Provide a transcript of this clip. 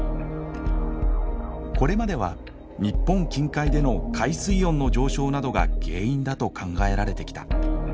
これまでは日本近海での海水温の上昇などが原因だと考えられてきた。